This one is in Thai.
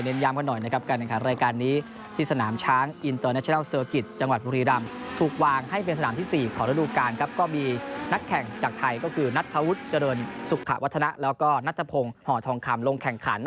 เน้นย้ำกันหน่อยนะครับการแข่งขัน